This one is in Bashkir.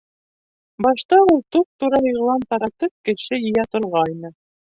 Башта ул, туп-тура иғлан таратып, кеше йыя торғайны.